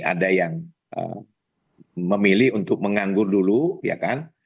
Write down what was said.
ada yang memilih untuk menganggur dulu ya kan